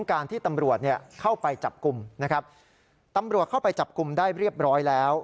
การที่ตำรวจเนี่ยเข้าไปจับกลุ่มนะครับตำรวจเข้าไปจับกลุ่มได้เรียบร้อยแล้ว